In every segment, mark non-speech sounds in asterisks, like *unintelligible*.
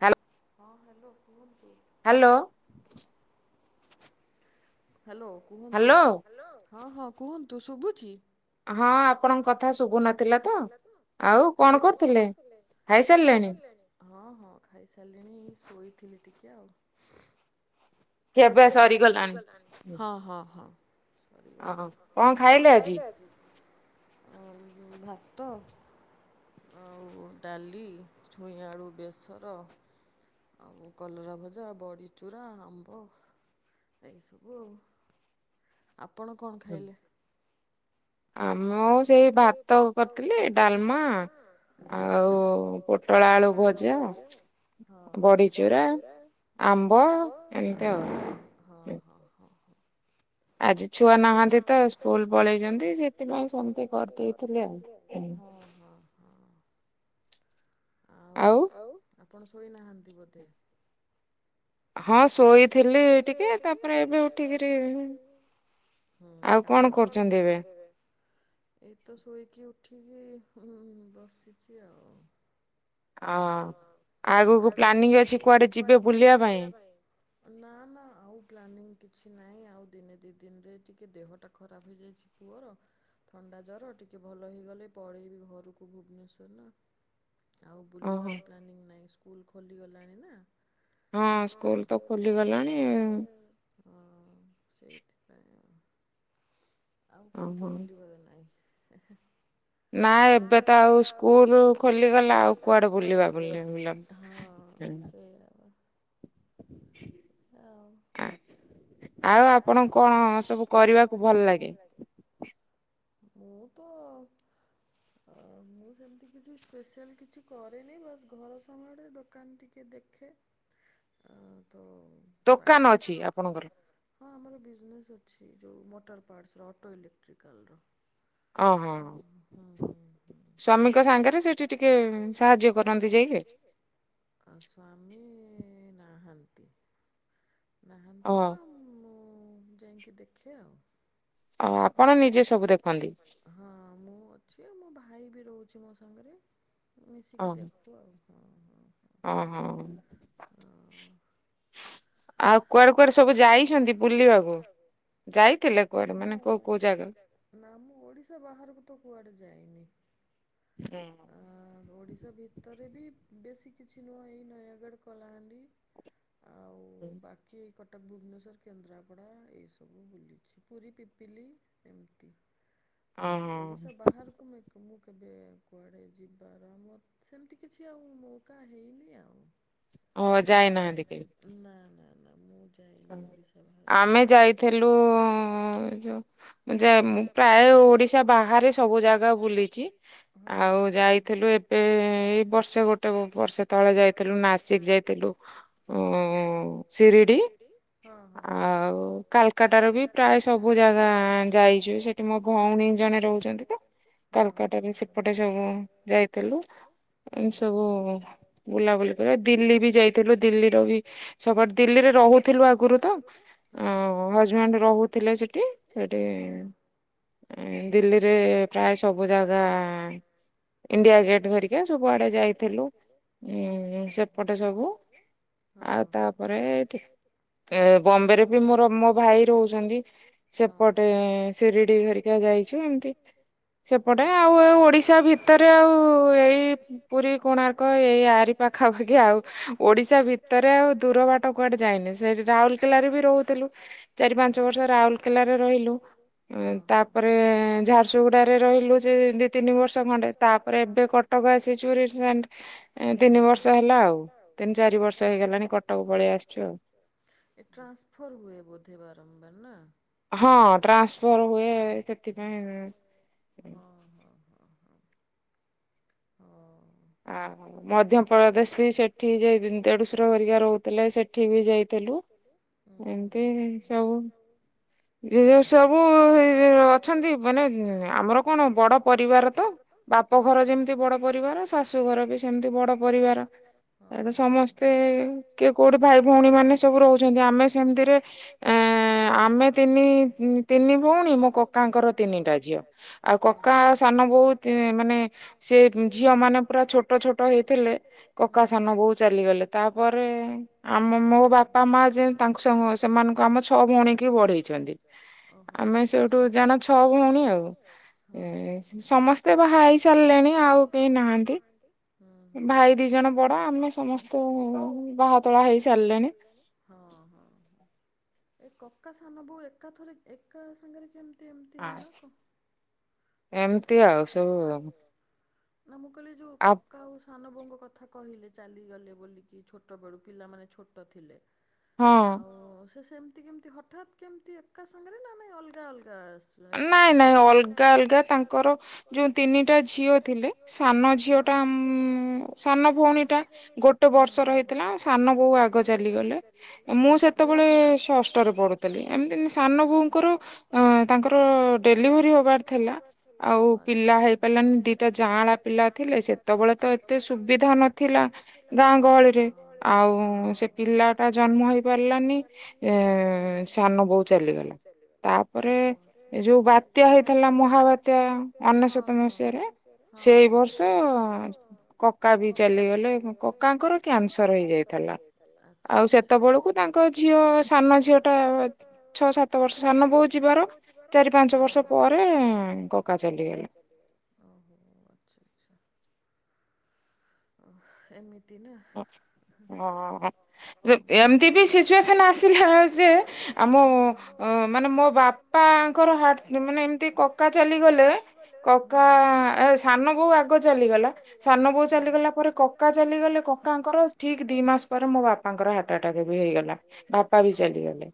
Hello. ହଁ hello କୁହନ୍ତୁ? Hello. Hello କୁହନ୍ତୁ। ହ୍ୟାଲୋ ହଁ, ହଁ କୁହନ୍ତୁ ଶୁଭୁଛି। ହଁ ଆପଣଙ୍କ କଥା ଶୁଭୁନଥିଲା ତ ଆଉ କଣ କରୁଥିଲେ? ଖାଇସାରିଲେଣି? ହଁ, ହଁ ଖାଇସାରିଲିଣି ଶୋଇଥିଲି ଟିକେ ଆଉ। କେବେ ସରିଗଲାଣି। ହଁ, ହଁ ସରିଗଲାଣି କଣ ଖାଇଲେ ଆଜି? ଭାତ ଆଉ ଡ଼ାଲି ଛୁଇଁ ଆଳୁ ବେସର। ଆଉ କଲରା ଭଜା ବଡ଼ିଚୁରା ଆମ୍ବ। ଏଇ ସବୁ ଆଉ, ଆପଣ କଣ ଖାଇଲେ? ଆମ ଆଉ ସେଇ ଭାତ କରିଥିଲି ଡାଲମା ଆଉ ପୋଟଳ ଆଳୁ ଭଜା ହଁ, ହଁ ବଡ଼ିଚୁରା, ଆମ୍ବ ହଁ, ହଁ, ହଁ, ହଁ। ଆଜି ଛୁଆ ନାହାନ୍ତି ତ ସ୍କୁଲ ପଳେଇଛନ୍ତି ସେଥିପାଇଁ ସେମିତି କରିଦେଇଥିଲି ଆଉ। ହଁ, ହଁ, ହଁ। ଆଉ ଆଉ ଆପଣ ଶୋଇନାହାନ୍ତି ବୋଧେ? ହଁ ଶୋଇଥିଲି ଟିକେ ତାପରେ ଏବେ ଉଠିକିରି ହୁଁ, କାମ କଣ କରୁଛନ୍ତି ଏବେ? ଏଇ ତ ଶୋଇକି ଉଠିକି ହୁଁ ବସିଛି ଆଉ। ଅଁ ଆଗକୁ ପ୍ଲାନିଂ ଅଛି କୁଆଡ଼େ ଯିବେ ବୁଲିବା ପାଇଁ? ନା ନା ଆଉ ପ୍ଲାନିଂ କିଛି ନାହିଁ ଆଉ ଦିନେ ଦିଇ ଦିନରେ ଟିକେ ଦେହଟା ଖରାପ ହେଇଯାଇଛି। ପୁଅର ଥଣ୍ଡା ଜର ଟିକେ ଭଲ ହେଇଗଲେ ପଳେଇବି ଘରକୁ ଭୁବନେଶ୍ୱର ନା ଆ ବୁଲିବାର ପ୍ଲାନିଂ ନାହିଁ ସ୍କୁଲ ଖୋଲିଗଲାଣି ନା। ହଁ ସ୍କୁଲ ତ ଖୋଲିଗଲାଣି ହଁ ସେଇଥିପାଇଁ ଆଉ। ଆଉ କେଉଁଠି ବୁଲିବାର ନାହିଁ ହେଁ ହେଁ। ନାଇ ଏବେ ତ ଆଉ ସ୍କୁଲ ଖୋଲିଗଲା ଆଉ କୁଆଡ଼େ ବୁଲିବ, ହଁ। ଏଇଆ ପା। *unintelligible* *unintelligible* ଆଉ ଆପଣଙ୍କୁ କଣ ସବୁ କରିବାକୁ ଭଲ ଲାଗେ? ମୁଁ ତ ଅ ମୁଁ ସେମିତି କିଛି ସ୍ପେଶସିଆଲ କିଛି କରେନି ବାସ୍ ଘର ସମୟରେ ଦୋକାନ ଟିକେ ଦେ ଖେ ଆ ତ ଦୋକାନ ଅଛି ଆପଣଙ୍କର? ହଁ ଆମର ବିଜନେସ୍ ଅଛି, ଯେଉ ମୋଟର ପାର୍ଟସ ର ଅଟୋ ଇଲେକ୍ଟ୍ରିକାଲର। ଓ ହଁଁ, ହଁ, ହଁ ସ୍ୱାମୀଙ୍କ ସାଙ୍ଗରେ ସେଇଠି ଟିକେ ସାହାଯ୍ୟ କରନ୍ତି ଯାଇକି ଆଉ। ଆଉ ସ୍ଵାମୀ ଇ ନାହାନ୍ତି। ନାହାନ୍ତି ତ ମୁଁ ଯାଇକି ଦେଖେ ଆଉ। ଓ ଆପଣ ନିଜେ ସବୁ ଦେଖନ୍ତି? ହଁ ମୁଁ ଅଛି, ମୋ ଭାଇ ବି ରହୁଛି ମୋ ସାଙ୍ଗରେ। ମିଶିକି ଦେଖୁ ଆଉ। ହଁ, ହଁ, ହଁ। ଅ ହଁ। ହଁ। ଆଉ କୁଆଡ଼େ କୁଆଡ଼େ ସବୁ ଯାଇଛନ୍ତି ବୁଲିବାକୁ? ଯାଇଥିଲେ କୁଆଡ଼େ ମାନେ କୋଉ କୋଉ ଜାଗାକୁ? ନା ମୁଁ ଓଡ଼ିଶା ବାହାରକୁ ତ କୁଆଡ଼େ ଯାଇନି। ଉନ୍ ହୁଁ। ଆ ଲୁ ଓଡ଼ିଶା ଭିତରେ ବି ବେଶୀ କିଛି ନୁହେଁ ଏଇ ନୟାଗଡ଼, କଳାହାଣ୍ଡି ଆଉ ବାକି କଟକ, ଭୁବନେଶ୍ୱର, କେନ୍ଦ୍ରାପଡ଼ା ଏଇସବୁ ବୁଲିଛି ପୁରୀ, ପିପିଲି ଏମିତି ଆଉ ଓଡିଶା ବାହାରକୁ ମେ ମୁଁ କେବେ କୁଆଡେ ଯିବାର ମୋର ସେମିତି କିଛି ଆଉ ମଉକା ହେଇନି ଆଉ। ଓ ଅଯା ଆଈ ନାହାନ୍ତି କେହି। ନା ନା ନା ମୁଁ ଯାଇନି ଓଡିଶା ବାହାରକୁ। ତ ଯାଏ ପ୍ରାୟ ଓଡିଶା ବାହାରେ ସବୁ ଜାଗା ବୁଲିଛି ଆଉ ଯାଇଥିଲି ଏବେ ଏତେ ଏଇ ବର୍ଷେ ଗୋଟେ ବର୍ଷ ତଳେ ଯାଇଥିଲୁ ନାସିକ୍ ଯାଇଥିଲୁ। ଶିରିଡି। ଆଉ କାଲକାଟ ର ବି ପ୍ରାୟ ସବୁ ଜାଗା ଯାଇଚୁ ସେ ଯେ ସେଠି ମୋ ଭଉଣୀ ଜଣେ ରହୁଛନ୍ତି ସେପଟେ ସେ ଯାଇଥିଲୁ ଏ ସବୁ ବୁଲାବୁଲି କରିବ ଦିଲ୍ଲୀ ବି ଯାଇଥିଲୁ ଦିଲ୍ଲୀର ବି ସବ ଆଡେ ଦିଲ୍ଲୀରେ ରହୁଥିଲୁ ଆଗରୁ ତ ଅ ହଜବ୍ୟାଣ୍ଡ ରହୁଥିଲେ ସେଠି ଦିଲ୍ଲୀରେ ପ୍ରାୟେ ସବୁ ଜାଗା ଏଣ୍ଡିଆ ଗେଟ୍ ଧରିକି ସବୁଆଡେ ଯାଇଥିଲୁ ସେପଟେ ସବୁ। ଆଉ ତାପରେ ଏଠି ଏ ବମ୍ବେ ରେ ବି ମୋର ମୋ ଭାଇ ରହୁଛନ୍ତି ସେପଟେ ସିରିଡି ହରିକା ଯାଇଛୁ ଏମ୍ ତିତ୍ ସେପଟେ ଆଉ ଏ ଓଡିଶା ଭିତରେ ଆଉ ଏଇ ପୁରୀ କୋଣାର୍କ କ ଏଇ ଆରି ପାଖାପାଖି ଆଉ ଓଡିଶା ଭିତରେ ଆଉ ଦୂର ବାଟ କୁଆଡେ ଯାଇନି। ସେଠି ରାଉରକେଲ ରେ ବି ରହୁଥିଲୁ ଚାରି ପାଞ୍ଚ ବର୍ଷ ରାଉରକେଲାରେ ରହିଲୁ। ତାପରେ ଝାରସୁଗୁଡାରେ ରହିଲୁ ଯେ ଦି ତିନି ବର୍ଷ ଖଣ୍ଡେ ତାପରେ ଏବେ କଟ କଟକ ଆସିଚୁ ରିସେଣ୍ଟ୍ ତିନି ବର୍ଷ ହେଲା ଆଉ ତିନି ଚାରି ବର୍ଷ ହେଇଗଲାଣି କ କଟକ ପଳେଇ ଆସଚୁ ଆଉ। ଏ ଟ୍ରାନ୍ସଫର ହୁଏ ବୋଧେ ବାରମ୍ବାର ନାଁ? ହଁ ଟ୍ରାନ୍ସଫର୍ ହୁଏ ସେଥିପାଇଁ। ହଁ ହଁ ହଁ ହଁ। ହ ଆ ମଧ୍ୟପ୍ରଦେଶ ବି ସେଠି ଯେ ଦେଢଶୁର ହରିକା ରହୁଥିଲେ ସେଠି ବି ଯାଇଥିଲୁ। ଏମ୍ତି ସବୁ। ଯୋଉ ସବୁ ଅଛନ୍ତି ମାନେ ଆମର କଣ ବଡ ପରିବାର ତ। ବାପ ଘର ଯେମିତି ବଡ ପରିବାର ଶାଶୁ ଘର ବି ସେମିତି ବ ପରିବାର ଏଣୁ ସମସ୍ତେ କିଏ କୋଉଠି ଭାଇ ଭଉଣୀ ମାନେ ସବୁ ରହୁଛନ୍ତି ଆମେ ସେମିତିରେ ଆଁ ଆମେ ତିନି ତିନି ଭଉଣୀ ମୋ କକାଙ୍କର ତିନିଟା ଝିଅ ଆଉ କକା ସାନ ବୋଉ ତି ମାନେ ସେ ଝିଅ ମାନେ ପୁରା ଛୋଟ ଛୋଟ ହେଇ ଥିଲେ କକା ସାନ ବୋଉ ଚାଲିଗଲେ ତାପରେ ଆମ ମୋ ବାପ ବାପା ମା ଯେ ତାଙ୍କ ସାଙ୍ଗେ ସେମାନଙ୍କୁ ଆମ ଛଅ ଭଉଣୀ କି ବଢେଇ ବଢ଼େଚନ୍ତି ଆମେ ସେଇଠୁ ଜାଣ ଛଅ ଭୋଉଣୀ ଆଉ। ଇଁ ସମସ୍ତେ ବାହା ହେଇ ସାରିଲେଣି ଆଉ କେହି ନାହାନ୍ତି। ଭାଇ ଦି ଜଣ ବଡ ଆମେ ସମସ୍ତେ ବାହାତଳା ହେଇ ସାରିଲେଣି। ହଁ ହଁ ହ ଏ କକା ସାନ ବୋଉ ଏକା ଥରେ ଏକା ସାଙ୍ଗରେ କେମ ତି ଏମତି ହେଲା କ ନା ମୁଁ କଲି ଯୋଉ କ କଉ ସାନ ବୋଉଙ୍କ କଥା କହିଲେ ଚାଲିଗଲେ ବୋଲିକି ଛୋଟ ବେଳୁ ପିଲାମାନେ ଛୋଟ ଥିଲେ। ହ ଆଉ ସେ ସେମତି କେମତି ହଠାତ୍ କେମିତି ଏକା ସାଙ୍ଗରେ ନା ନାଇଁ ଅଲଗା ଅଲଗା ଆସ ନାଇଁ ନାଇଁ ଅଲଗା ଅଲଗା ତାଙ୍କର ଯୋଉ ତିନିଟା ଝିଅ ଥିଲେ ସାନ ଝି କୋଉଟା ଆମ ସାନ ଭଉଣୀ ଟା ଗୋଟେ ବର୍ଷ ର ହେଇଥିଲା ସାନ ବୋଉ ଆଗ ଚାଲିଗଲେ। ମୁଁ ସେତେବେଳେ ସେ ଷଷ୍ଟରେ ପଢୁଥିଲି ଏମିତି ସାନ ବୋଉଙ୍କର ଅ ତାଙ୍କର ଡେଲିଭରି ହବାର ଥିଲା ଆଉ ପିଲା ହେଇପାରିଲାନି ଦିଟା ଯାଆଁଳା ପିଲା ଥିଲେ ସେ ସେତେବେଳେ ତ ଏତେ ସୁବିଧା ନଥିଲା ଗାଁ ଗହଳିରେ ଆଉ ସେ ପିଲା ଟା ଜନ୍ମ ହେଇ ପାରିଲାନି ଏ ସାନ ବୋଉ ଚାଲିଗଲା। ତାପରେ ଏ ଯୋଉ ବାତ୍ୟା ହେଇଥିଲା ମହାବାତ୍ୟା ଅନେଶତ ମସିହାରେ ସେଇ ବର୍ଷ ହଁ କକା ବି ଚାଲିଗଲେ କକାଙ୍କର କ୍ୟାନସର ହେଇଯାଇଥିଲା। ଆଛା ଆଛା ଆଉ ସେତେବେଳକୁ ତାଙ୍କ ଝିଅ ସାନ ଝିଅ ଟା ସାତ ବର୍ଷ ସାନ ବୋଉ ଯିବାର ଚାରି ପାଞ୍ଚ ବର୍ଷ ପରେ କକା ଚାଲିଗଲା। ଓହୋ ଆଛା ଆଛା। ଓହୋ ଏମିତି ହଁ। ଏମତି ବି ସିଚୁଏସନ ଆସି ହେଲା ଯେ ଆମ ମାନେ ମୋ ବାପ ବାପାଙ୍କର ହାର୍ଟ ମାନେ ଏମିତି କକା ଚାଲିଗଲେ କକା ସାନ ବୋଉ ଆଗ ଚାଲିଗଲା ସାନ ବୋଉ ଚାଲିଗଲା ପରେ କକା ଚାଲିଗଲେ କକାଙ୍କର ଠିକ ଦି ମାସ ପରେ ମୋ ବାପାଙ୍କର ହାଟଟାକ ବି ହେଇଗଲା ବାପା ବି ଚାଲିଗଲେ।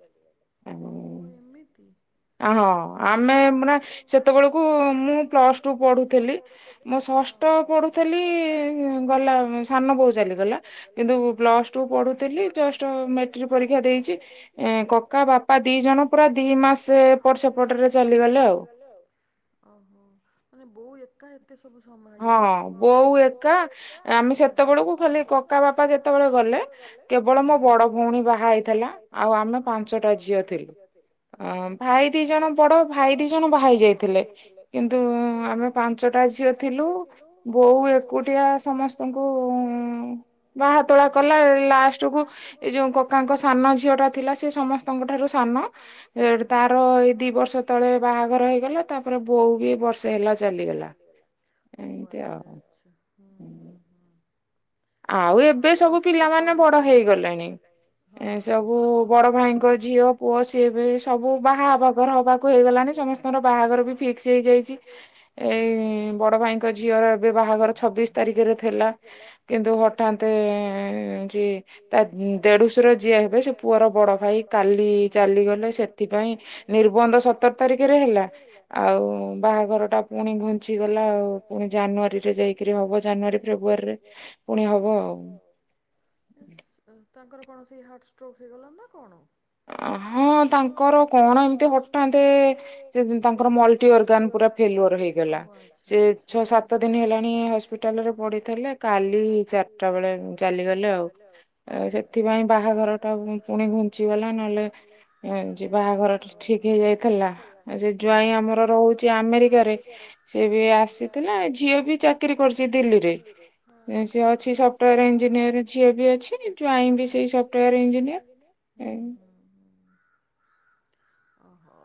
ଓହୋ ଏମିତି। ହଁ ଆମେ ମାନେ ସେତେବେଳକୁ ମୁଁ ପ୍ଲସ ଟୁ ପଢୁଥିଲି। ମୁଁ ଷଷ୍ଠ ପଢୁଥିଲି ଗଲା ସାନ ବୋଉ ଚାଲି ଗଲା କିନ୍ତୁ ପ୍ଲସ ଟୁ ପଢୁଥିଲି ଜଷ୍ଟ ମେଟ୍ରିକ ପରୀକ୍ଷା ଦେଇ କକା ବାପା କକା ବାପା ଦି ଜଣ ପୁରା ଦି ମାସ ଏପଟ ସେପଟରେ ଚାଲିଗଲେ ଆଉ। ଓହୋ ମାନେ ବୋଉ ଏକା ଏତେ ସବୁ ସମ୍ଭାଳିଲେ ହଁ। କା ଆମେ ସେତେବେଳକୁ ଖାଲି କକା ବାପା ଯେତେବେଳେ ଗଲେ କେବଳ ମୋ ବଡ ଭଉଣୀ ବାହା ହେଇ ଥିଲା ଆଉ ଆମେ ପାଞ୍ଚଟା ଝିଅ ଥିଲୁ ଅ ଭାଇ ଦି ଜଣ ବଡ ଭାଇ ଦି ଜଣ ବାହା ହେଇଯାଇ ଥିଲେ କିନ୍ତୁ ଆମେ ପାଞ୍ଚଟା ଝିଅ ଥିଲୁ ବୋଉ ଏକୁଟିଆ ସମସ୍ତଙ୍କୁ ବାହାତୋଳା କଲା ଲାଷ୍ଟ କୁ ଏ ଯୋଉ କକାଙ୍କ ସାନ ଝିଅଟା ଥିଲା ସେ ସମସ୍ତଙ୍କ ଠାରୁ ସାନ ତାର ଏଇ ଦି ବର୍ଷ ଦୁଇ ବର୍ଷ ତଳେ ବାହାଘର ହେଇଗଲା ତାପରେ ବୋଉ ବି ବର୍ଷେ ହେଲା ଚାଲିଗଲା। ଓହୋ ଆଛା ଆଛା ହୁଁ ହୁଁ ହୁଁ। କେତେ କଷ୍ଟ କରିଥିବେ ହଁ ଏ ସବୁ ବଡ ଭାଇଙ୍କ ଝିଅ ପୁଅ ସିଏ ବି ସବୁ ବାହା ବାଘର ହବାକୁ ହେଇଗଲାଣି ସମସ୍ତଙ୍କର ବାହାଘର ବି ଫିକ୍ସ ହେଇଯାଇଛି। ଏଇ ବଡ ଭାଇଙ୍କ ଝିଅର ଏବେ ବାହାଘର ଛବିଶି ତାରିଖରେ ଥିଲା। କିନ୍ତୁ ହଠାନ୍ତ ଯି ତା ଦେଢୁଶର ଯିଏ ହେବେ ସେ ପୁଅର ବଡ ଭାଇ କାଲି ଚାଲିଗଲେ ସେଥିପାଇଁ ନିର୍ବନ୍ଧ ସତର ତାରିଖରେ ହେଲା ଆଉ ବାହାଘର ଟା ପୁଣି ଘଞ୍ଚିଗଲା ଆଉ ପୁଣି ଜାନୁଆରୀରେ ଯାଇକି ବିକ୍ରି ହବ ଜାନୁଆରୀ ଫେବୃୟାରୀରେ *unintelligible* ଇସ ତାଙ୍କର କଣସି ହାର୍ଟ ଷ୍ଟ୍ରକ୍ ହେଇଗଲା ନା କଣ? ଅ ହଁ ତାଙ୍କର କଣ ଏମିତି ହଟାନ୍ତେ ତାଙ୍କର ମଲ୍ଟି ଅର୍ଗାନ ପୁରା ଫେଲୁଅ ହେଇଗଲା ସେ ଛଅ ସାତ ଦିନ ହେଲା ପୁଣି ହସ୍ପିଟାଲ ରେ ପଡିଥିଲେ କାଲି ଚାରିଟା ବେଳେ ଚାଲିଗଲେ ଆଉ। ଆଉ ସେଥିପାଇଁ ବାହାଘର ଟା ପୁଣି ଘୁଞ୍ଚି ଗଲା ନହେଲେ ଯେ ବାହାଘର ଠିକ ହେଇଯାଇଥିଲା ଜ୍ୱାଇଁ ଆମର ରହୁଛି ଆମେରିକାରେ ସିଏ ବି ଆସିଥିଲା ଝିଅ ବି ଝିଅ ବି ଚାକିରି କରିଛି ଦିଲ୍ଲୀରେ। ସିଏ ଅଛି ସଫ୍ଟୱେୟାର ଇଂଞ୍ଜିନୀଅର ଝିଅ ଜ୍ୱାଇଁବି ସେଇ ସଫ୍ଟୱେୟାର ଇଞ୍ଜିନିୟର ହୁଁ ହୁଁ ହୁଁ। ଓହୋ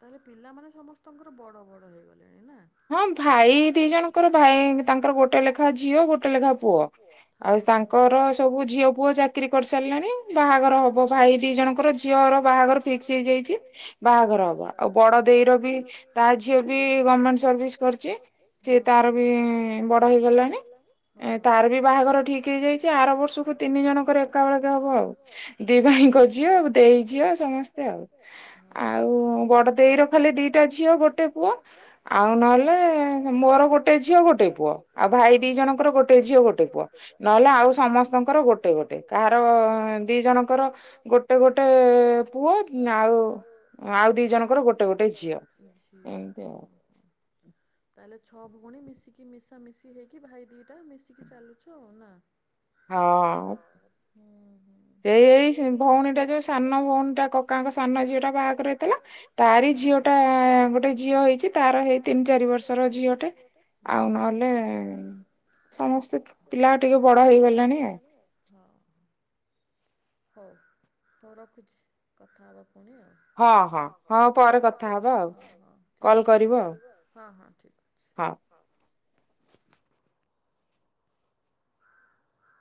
ତାହେଲେ ପିଲାମାନେ ସମସ୍ତଙ୍କର ବଡ ବଡ ହେଇଗଲେଣି ନା? ହଁ ଭାଇ ଦି ଜଣଙ୍କର ଭା ର ଭାଇ ତାଙ୍କର ଗୋଟେ ଲେଖା ଝିଅ ଗୋଟେ ଲେଖା ପୁଅ ଆଉ ତାଙ୍କର ସବୁ ଯଉ ପୁଅ ଚାକିରି କରିସାରିଲାଣି ବାହାଘର ହବ ଭାଇ ଦି ଜଣଙ୍କର ଝିଅର ବାହାଘର ଫିକ୍ସ ହେଇଯାଇଛି। ବାହାଘର ହବ ଆଉ ବଡ ଦେଇର ବି ତା ଝିଅ ବି ଗଭମେଣ୍ଟ ସର୍ଭିସ କରିଚି ସିଏ ତାର ବି ବର୍ତ୍ତ ରହିଗଲାଣି ଏ ତାର ବି ବାହାଘର ଠିକ ହେଇଯାଇଛି ଆର ବର୍ଷକୁ ତିନି ଜଣଙ୍କର ଏକା ବେଳକେ ହବ ଆଉ। ଦି ଭାଇଙ୍କ ଝିଅ ଦେଇ ଝିଅ ସମସ୍ତେ ଆଉ। ଆଉ ବଡ ଦେଇର ଖାଲି ଦିଟା ଝିଅ ଗୋଟେ ପୁଅ ଆଉ ନହେଲେ ମୋର ଗୋଟେ ଝିଅ ଗୋଟେ ପୁଅ ଆଉ ଭାଇ ଦି ଜଣଙ୍କର ଗୋଟେ ଝିଅ ଗୋଟେ ପୁଅ ନହେଲେ ଆଉ ସମସ୍ତଙ୍କର ଗୋଟେ ଗୋଟେ କାହାର ଦି ଜଣଙ୍କର ଗୋଟେ ଗୋଟେ ପୁଅ ଆଉ ଆଉ ଦି ଜଣଙ୍କର ଗୋଟେ ଗୋଟେ ଝିଅ ଏମତି ଆଉ। *inaudible* ତାହେଲେ ଛଅ ଭଉଣୀ ମିଶିକି ମିଶାମିଶି ହେଇକି ଭାଇ ଦିଇଟା ମିଶିକି ଚାଲୁଛ ଆଉ ନା। ହଁ। ହୁଁ ହୁଁ। ସେ ଏଇ ଭଉଣୀ ଟା ଯୋଉ ସାନ ଭଉଣୀଟା କକାଙ୍କ ସାନ ଝିଏଟା ବାହାଘର ହେଇଥିଲା ତାରି ଝିଅଟା ଗୋଟେ ଝିଅ ହେଇଛି ତାର ହେଇ ତିନି ଚାରି ବର୍ଷର ଝିଅଟେ। ଆଉ ନହେଲେ ସମସ୍ତେ ପିଲା ଟିକେ ବଡ ହେଇଗଲେଣି ଆ ହଁ। ହୋଉ ହୋଉ ରଖୁଛି କଥା ହବା ପୁଣି ଆଉ। ହଁ ହଁ ଠିକ ଅଛି ହଁ ହଁ ଠିକ ଅଛି। ଆଛା।